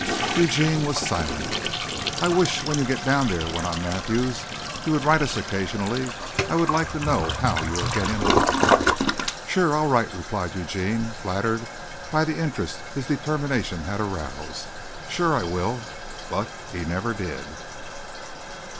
Eugene was silent. "I wish when you get down there," went on Mathews, "you would write us occasionally. I would like to know how you are getting along." "Sure, I'll write," replied Eugene, flattered by the interest his determination had aroused. "Sure I will." But he never did.